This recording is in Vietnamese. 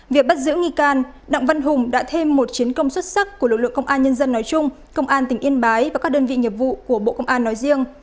việc bắt giữ nghi can đặng văn hùng đã thêm một chiến công xuất sắc của lực lượng công an nhân dân nói chung công an tỉnh yên bái và các đơn vị nghiệp vụ của bộ công an nói riêng